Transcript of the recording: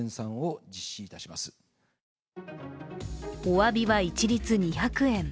お詫びは一律２００円。